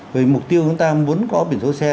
về mục tiêu chúng ta muốn có biển số xe